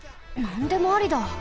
なんでもありだ。